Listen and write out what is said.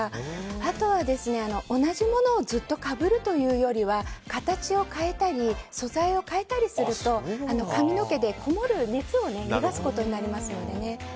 あとは、同じものをずっとかぶるというよりは形を変えたり素材を変えたりすると髪の毛で熱がこもるのを逃がすことになるので。